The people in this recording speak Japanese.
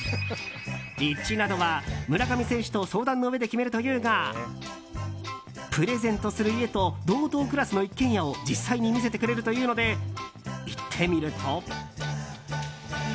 立地などは村上選手と相談のうえで決めるというがプレゼントする家と同等クラスの一軒家を実際に見せてくれるというので行ってみると。